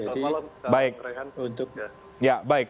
selamat malam saya raihan